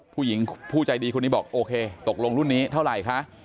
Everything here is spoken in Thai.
ผู้หญิงผู้ใจดีคนนี้บอกโอเคตกลงรุ่นนี้เท่าไหร่คะ